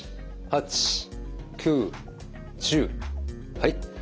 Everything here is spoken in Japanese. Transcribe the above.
はい。